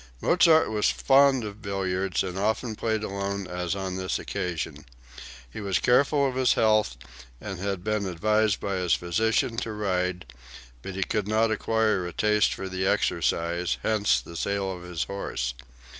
Mozart was fond of billiards and often played alone as on this occasion. He was careful of his health and had been advised by his physician to ride; but he could not acquire a taste for the exercise Hence the sale of his horse.